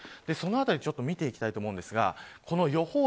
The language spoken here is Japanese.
そのあたり見ていきたいと思います。